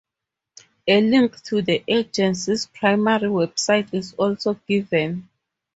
A link to the Agency's primary website is also given.